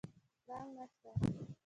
پړانګ نشته